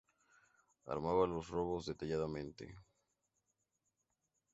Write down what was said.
Armaba los robos detalladamente.